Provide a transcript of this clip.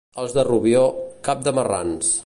Els de Rubió, cap de marrans.